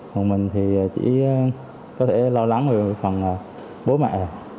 còn mình thì chỉ có thể lo lắng về phần bố mẹ